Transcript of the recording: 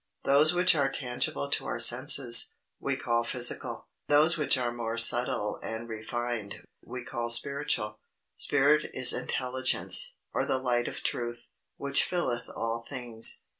Those which are tangible to our senses, we call physical; those which are more subtle and refined, we call spiritual. Spirit is intelligence, or the light of truth, which filleth all things.